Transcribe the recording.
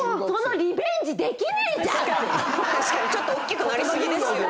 確かにちょっとおっきくなり過ぎですよね。